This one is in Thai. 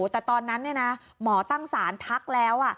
แต่ตอนนั้นเนี่ยนะหมอตั้งสรรพภูมิทักแล้ว